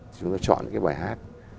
chúng tôi chọn những cái bài hát